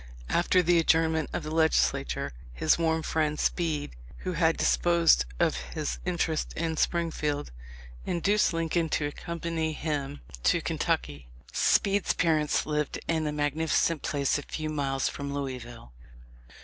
After the adjournment of the Legislature, his warm friend Speed, who had dis posed of his interests in Springfield, induced Lin coln to accompany him to Kentucky. Speed's parents lived in a magnificent place a few miles from Louisville.